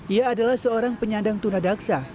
ia adalah seorang penyandang tunadaksa